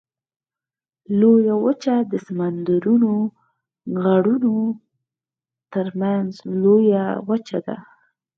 لویه وچه د سمندرونو غرونو ترمنځ لویه وچه ده.